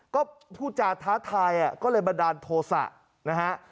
ก็พูดจาท้าทายก็เลยบันดาลโทษะนะฮะ